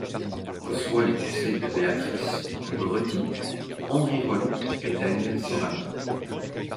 Reçoit les conseils de Béatrice Bretty, Henri Rollan et Daniel Sorano.